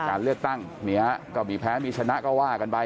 การเลือกตั้งเนี่ยก็มีแพ้มีชนะก็ว่ากันไป